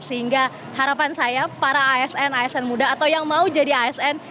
sehingga harapan saya para asn asn muda atau yang mau jadi asn